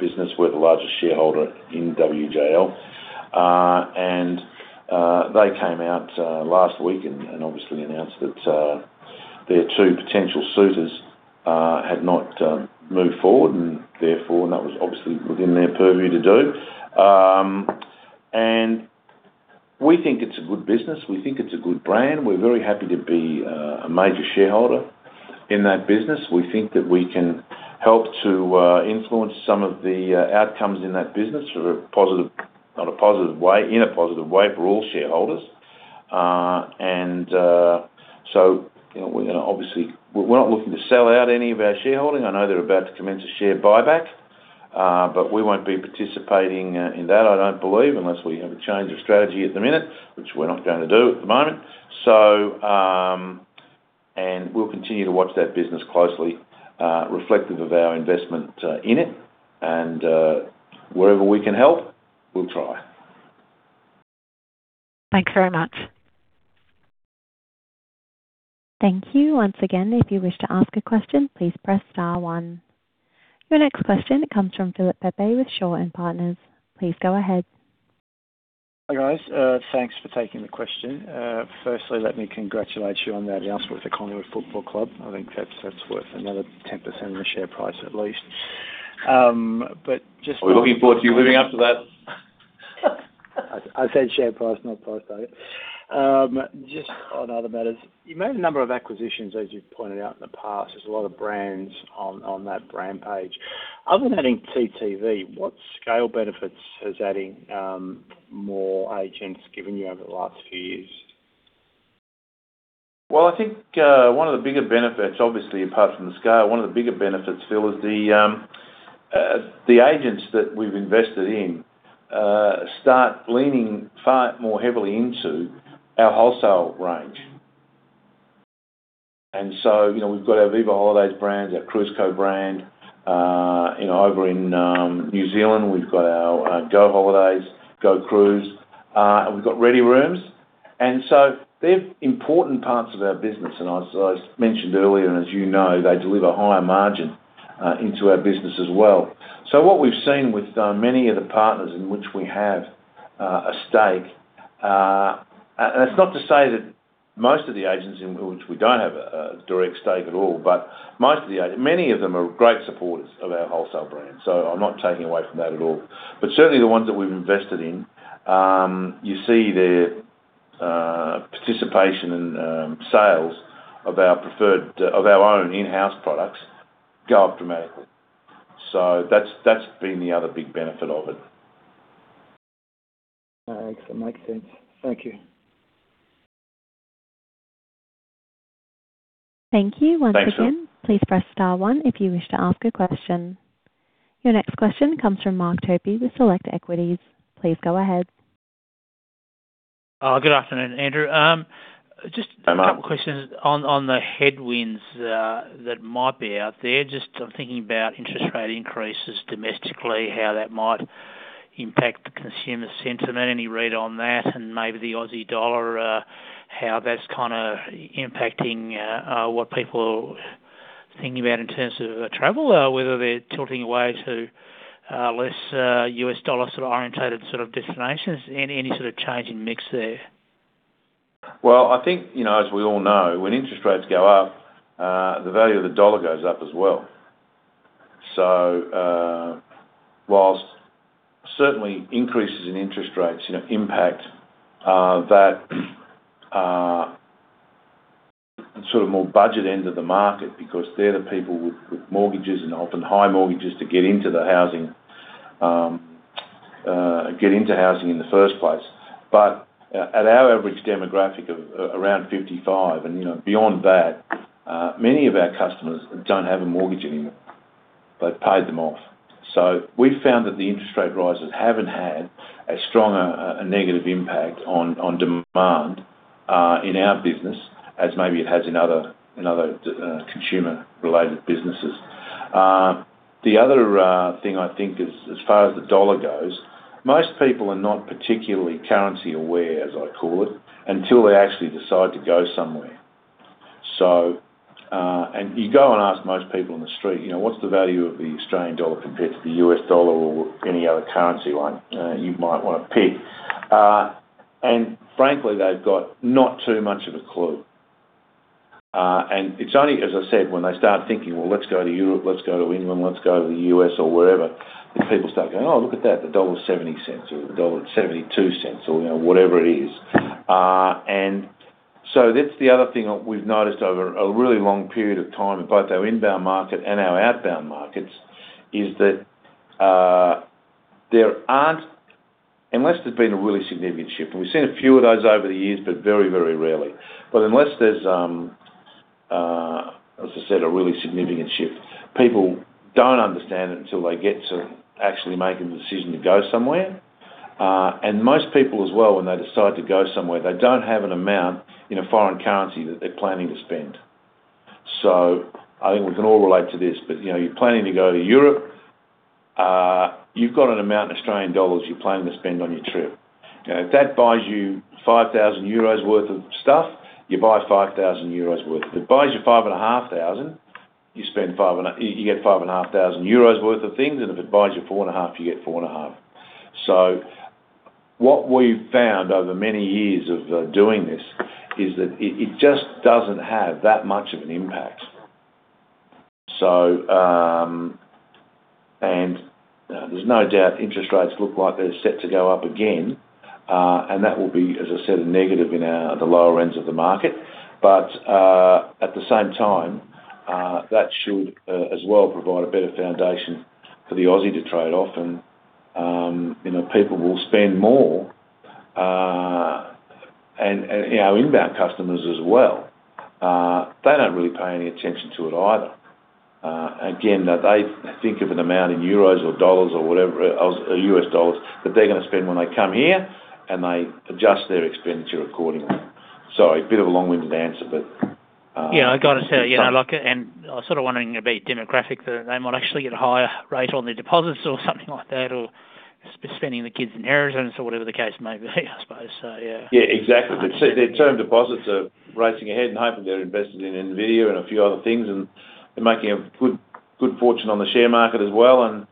business. We're the largest shareholder in WJL. They came out last week and obviously announced that their two potential suitors had not moved forward, and therefore, that was obviously within their purview to do. We think it's a good business. We think it's a good brand. We're very happy to be a major shareholder in that business. We think that we can help to influence some of the outcomes in that business in a positive way for all shareholders. So, you know, we're gonna obviously. We're not looking to sell out any of our shareholding. I know they're about to commence a share buyback, but we won't be participating in that, I don't believe, unless we have a change of strategy at the minute, which we're not going to do at the moment. We'll continue to watch that business closely, reflective of our investment in it. Wherever we can help, we'll try. Thanks very much. Thank you. Once again, if you wish to ask a question, please press star one. Your next question comes from Philip Pepe with Shaw and Partners. Please go ahead. Hi, guys, thanks for taking the question. Firstly, let me congratulate you on the announcement with the Collingwood Football Club. I think that's worth another 10% of the share price, at least. We're looking forward to you living up to that. I said share price, not price value. Just on other matters, you made a number of acquisitions, as you've pointed out in the past. There's a lot of brands on that brand page. Other than adding TTV, what scale benefits has adding more agents given you over the last few years? Well, I think, one of the bigger benefits, obviously, apart from the scale, one of the bigger benefits, Phil, is the agents that we've invested in, start leaning far more heavily into our wholesale range. You know, we've got our Viva Holidays brands, our Cruiseco brand. You know, over in New Zealand, we've got our GO Holidays, GO Cruise, and we've got ReadyRooms. They're important parts of our business, and as I mentioned earlier, and as you know, they deliver higher margin into our business as well. What we've seen with many of the partners in which we have a stake... That's not to say that most of the agents in which we don't have a direct stake at all, most of the many of them are great supporters of our wholesale brand, I'm not taking away from that at all. Certainly the ones that we've invested in, you see their participation in sales of our preferred of our own in-house products go up dramatically. That's been the other big benefit of it. Excellent. Makes sense. Thank you. Thank you once again. Thanks, Phil. Please press star one if you wish to ask a question. Your next question comes from Mark Topy with Select Equities. Please go ahead. Good afternoon, Andrew. Hello a couple questions on the headwinds that might be out there. Just I'm thinking about interest rate increases domestically, how that might impact the consumer sentiment, any read on that, and maybe the Aussie dollar, how that's kinda impacting, what people are thinking about in terms of travel, whether they're tilting away to less U.S. dollar sort of orientated sort of destinations. Any sort of change in mix there? Well, I think, you know, as we all know, when interest rates go up, the value of the dollar goes up as well. whilst certainly increases in interest rates, you know, impact, that sort of more budget end of the market, because they're the people with mortgages and often high mortgages to get into the housing, get into housing in the first place. at our average demographic of around 55, and, you know, beyond that, many of our customers don't have a mortgage anymore. They've paid them off. we've found that the interest rate rises haven't had a strong, a negative impact on demand in our business, as maybe it has in other consumer-related businesses. The other thing, I think, is as far as the dollar goes, most people are not particularly currency aware, as I call it, until they actually decide to go somewhere. You go and ask most people on the street, you know, "What's the value of the Australian dollar compared to the U.S. dollar or any other currency line you might want to pick?" Frankly, they've got not too much of a clue. It's only, as I said, when they start thinking, well, let's go to Europe, let's go to England, let's go to the U.S. or wherever, people start going, "Oh, look at that, the 0.70 or the 0.72," or, you know, whatever it is. That's the other thing that we've noticed over a really long period of time, in both our inbound market and our outbound markets, is that, unless there's been a really significant shift, and we've seen a few of those over the years, but very, very rarely. Unless there's, as I said, a really significant shift, people don't understand it until they get to actually making the decision to go somewhere. Most people as well, when they decide to go somewhere, they don't have an amount in a foreign currency that they're planning to spend. I think we can all relate to this, but, you know, you're planning to go to Europe, you've got an amount in Australian dollars you're planning to spend on your trip. If that buys you 5,000 euros worth of stuff, you buy 5,000 euros worth. If it buys you five and a half thousand EUR, you get five and a half thousand EUR worth of things, if it buys you four and a half, you get four and a half EUR. What we've found over many years of doing this, is that it just doesn't have that much of an impact. There's no doubt interest rates look like they're set to go up again, that will be, as I said, a negative in the lower ends of the market. At the same time, that should, as well, provide a better foundation for the Aussie to trade off, and, you know, people will spend more, and our inbound customers as well. They don't really pay any attention to it either. Again, they think of an amount in euros or dollars or whatever, U.S. dollars, that they're gonna spend when they come here, and they adjust their expenditure accordingly. Sorry, a bit of a long-winded answer. Yeah, I got it. Yeah, I like it, and I was sort of wondering about demographic, that they might actually get a higher rate on their deposits or something like that, or spending the kids inheritance or whatever the case may be, I suppose so, yeah. Yeah, exactly. Their term deposits are racing ahead, and hopefully, they're invested in NVIDIA and a few other things, and they're making a good fortune on the share market as well.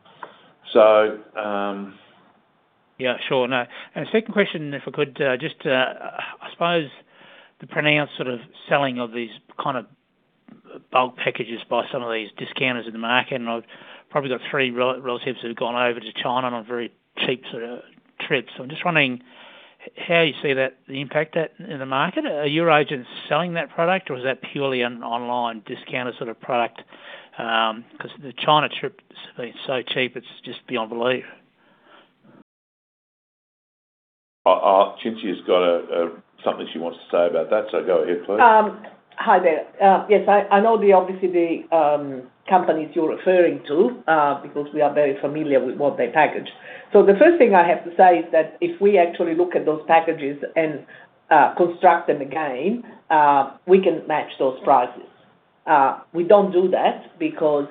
Yeah, sure. Now, a second question, if I could, just, I suppose the pronounced sort of selling of these kind of bulk packages by some of these discounters in the market, and I've probably got three relatives who've gone over to China on a very cheap sort of trip. I'm just wondering, how you see that, the impact that in the market? Are your agents selling that product, or is that purely an online discounter sort of product? 'Cause the China trip is so cheap, it's just beyond belief. Cinzia's got something she wants to say about that, so go ahead, please. Hi there. Yes, I know the obviously the companies you're referring to, because we are very familiar with what they package. The first thing I have to say is that if we actually look at those packages and construct them again, we can match those prices. We don't do that because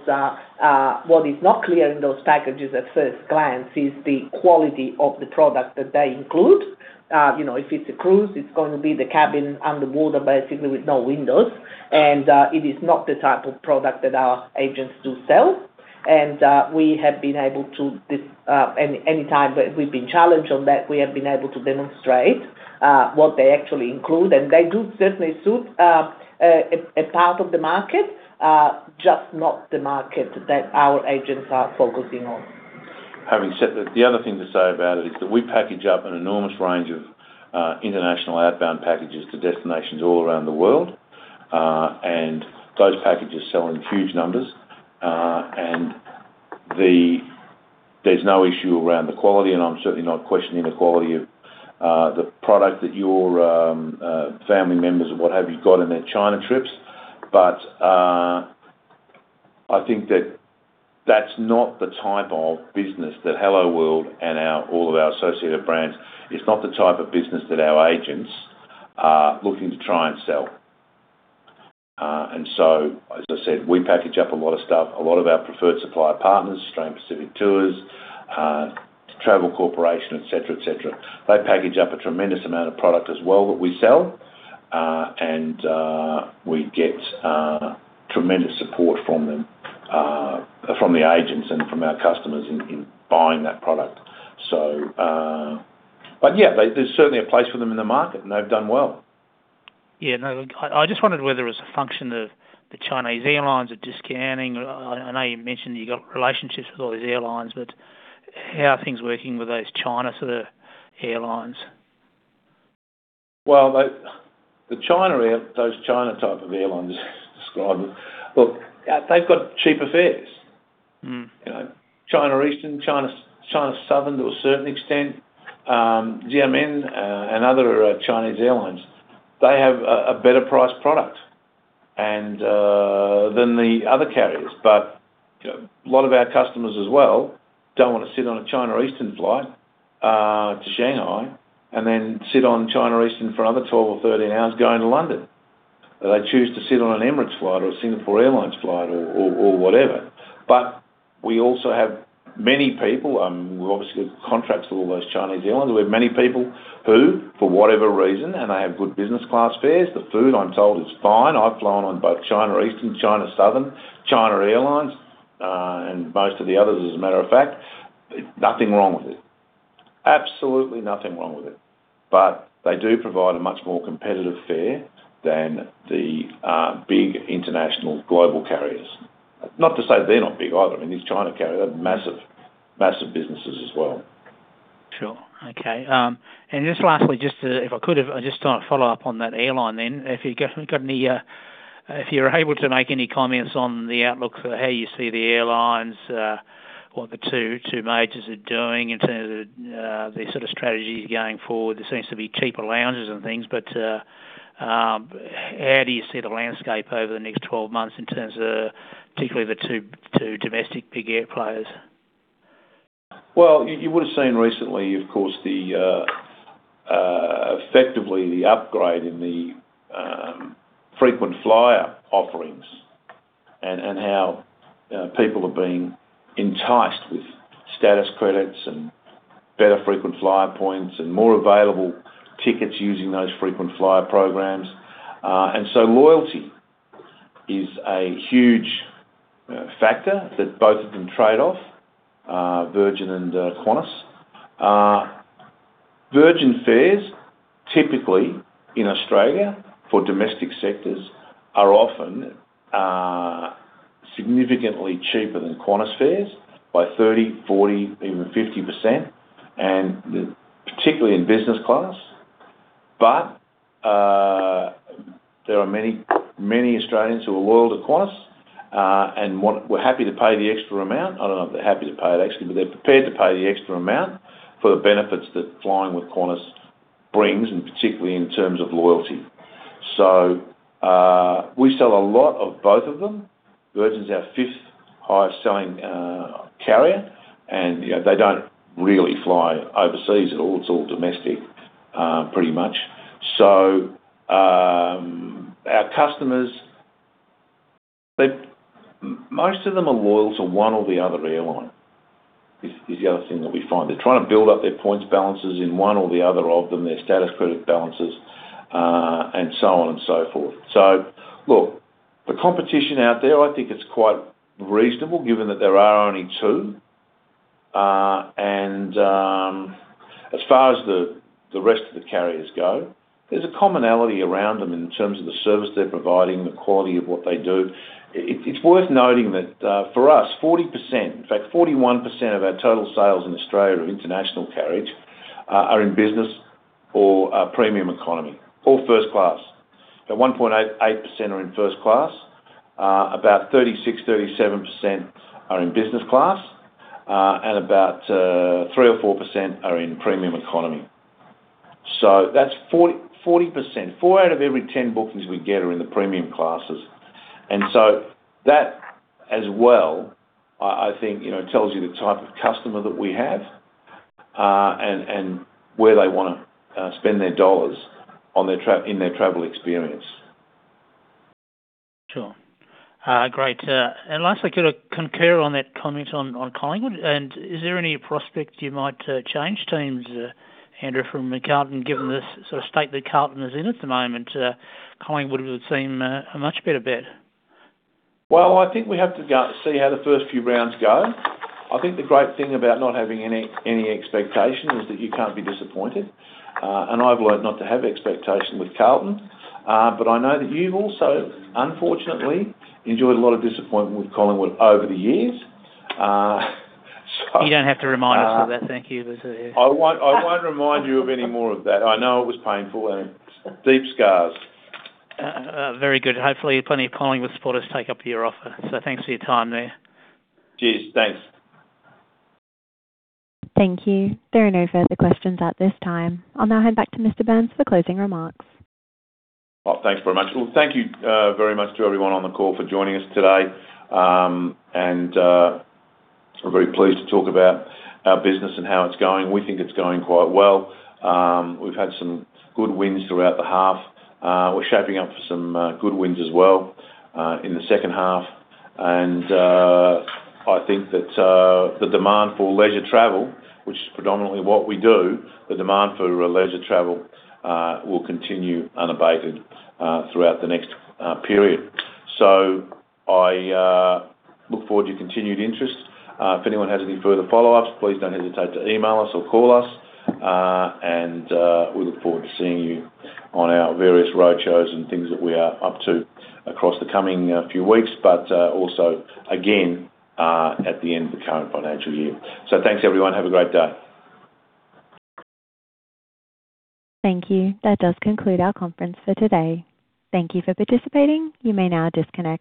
what is not clear in those packages at first glance is the quality of the product that they include. You know, if it's a cruise, it's gonna be the cabin on the water, basically with no windows. It is not the type of product that our agents do sell. We have been able to this, any time that we've been challenged on that, we have been able to demonstrate, what they actually include, and they do certainly suit, a part of the market, just not the market that our agents are focusing on. Having said that, the other thing to say about it is that we package up an enormous range of international outbound packages to destinations all around the world, and those packages sell in huge numbers. There's no issue around the quality, and I'm certainly not questioning the quality of the product that your family members or what have you, got in their China trips. I think that that's not the type of business that Helloworld and our, all of our associated brands, it's not the type of business that our agents are looking to try and sell. As I said, we package up a lot of stuff. A lot of our preferred supplier partners, Australian Pacific Touring, The Travel Corporation, et cetera, et cetera. They package up a tremendous amount of product as well that we sell, and we get tremendous support from them, from the agents and from our customers in buying that product. Yeah, there's certainly a place for them in the market, and they've done well. I just wondered whether it was a function of the Chinese airlines are discounting. I know you mentioned you got relationships with all these airlines, how are things working with those China sort of airlines? Well, The China air, those China type of airlines, as described. Look, they've got cheaper fares. Mm. You know, China Eastern, China Southern, to a certain extent, Xiamen, and other Chinese airlines, they have a better priced product and than the other carriers. A lot of our customers as well, don't want to sit on a China Eastern flight to Shanghai and then sit on China Eastern for another 12 or 13 hours going to London. They choose to sit on an Emirates flight or a Singapore Airlines flight or whatever. We also have many people, we obviously have contracts with all those Chinese airlines. We have many people who, for whatever reason, and they have good business class fares, the food, I'm told, is fine. I've flown on both China Eastern, China Southern, China Airlines, and most of the others, as a matter of fact, nothing wrong with it. Absolutely nothing wrong with it. They do provide a much more competitive fare than the big international global carriers. Not to say they're not big either. I mean, these China carriers, they're massive businesses as well. Sure. Okay, just lastly, just to, if I could have, I just want to follow up on that airline then. If you've got any, if you're able to make any comments on the outlook for how you see the airlines, what the two majors are doing in terms of their sort of strategies going forward? There seems to be cheaper lounges and things, but how do you see the landscape over the next 12 months in terms of particularly the two domestic big air players? You would have seen recently, of course, effectively the upgrade in the frequent flyer offerings and how people are being enticed with status credits and better frequent flyer points and more available tickets using those frequent flyer programs. Loyalty is a huge factor that both of them trade off, Virgin and Qantas. Virgin fares, typically in Australia for domestic sectors, are often significantly cheaper than Qantas fares by 30%, 40%, even 50%, and particularly in business class. There are many Australians who are loyal to Qantas and were happy to pay the extra amount. I don't know if they're happy to pay it, actually, they're prepared to pay the extra amount for the benefits that flying with Qantas brings, and particularly in terms of loyalty. We sell a lot of both of them. Virgin is our fifth highest selling carrier, you know, they don't really fly overseas at all. It's all domestic pretty much. Our customers, most of them are loyal to one or the other airline, is the other thing that we find. They're trying to build up their points balances in one or the other of them, their status credit balances, and so on and so forth. The competition out there, I think it's quite reasonable, given that there are only two. As far as the rest of the carriers go, there's a commonality around them in terms of the service they're providing, the quality of what they do. It's worth noting that, for us, 40%, in fact, 41% of our total sales in Australia are international carriage, are in business or premium economy or first class. At one point, 8% are in first class, about 36%-37% are in business class, and about 3% or 4% are in premium economy. So that's 40%. Four out of every 10 bookings we get are in the premium classes. That as well, I think, you know, tells you the type of customer that we have, and where they wanna spend their dollars in their travel experience. Sure. Great, and lastly, could I concur on that comment on Collingwood? Is there any prospect you might change teams, Andrew, from Carlton, given this sort of state that Carlton is in at the moment, Collingwood would seem a much better bet? Well, I think we have to go out and see how the first few rounds go. I think the great thing about not having any expectation is that you can't be disappointed. I've learned not to have expectation with Carlton, but I know that you've also, unfortunately, enjoyed a lot of disappointment with Collingwood over the years. You don't have to remind us of that. Thank you. I won't remind you of any more of that. I know it was painful and deep scars. Very good. Hopefully, plenty of Collingwood supporters take up your offer. Thanks for your time there. Cheers. Thanks. Thank you. There are no further questions at this time. I'll now hand back to Mr. Burnes for closing remarks. Well, thanks very much. Thank you very much to everyone on the call for joining us today. We're very pleased to talk about our business and how it's going. We think it's going quite well. We've had some good wins throughout the half. We're shaping up for some good wins as well in the second half. I think that the demand for leisure travel, which is predominantly what we do, the demand for leisure travel, will continue unabated throughout the next period. I look forward to your continued interest. If anyone has any further follow-ups, please don't hesitate to email us or call us, and we look forward to seeing you on our various roadshows and things that we are up to across the coming few weeks, but also again at the end of the current financial year. Thanks, everyone. Have a great day. Thank you. That does conclude our conference for today. Thank you for participating. You may now disconnect.